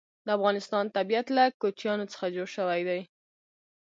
د افغانستان طبیعت له کوچیانو څخه جوړ شوی دی.